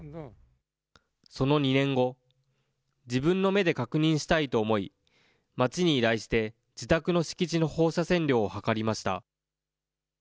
その２年後、自分の目で確認したいと思い、町に依頼して、自宅の敷地の放射線量を測りました。